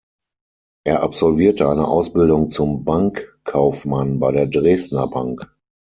Er absolvierte eine Ausbildung zum Bankkaufmann bei der Dresdner Bank.